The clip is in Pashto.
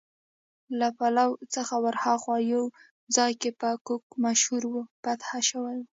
له پلاوا څخه ورهاخوا یو ځای چې په کوک مشهور و، فتح شوی و.